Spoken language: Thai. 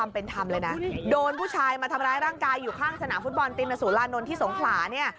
ผู้ชายมาทำร้ายร่างกายอยู่ข้างสนามฟุตบอลติมสุรานนทร์ที่สงขลาเนี่ย